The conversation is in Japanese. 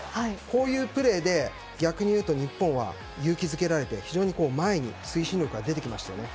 こういうプレーで逆に言うと、日本は勇気づけられて、非常に前に推進力が出てきましたね。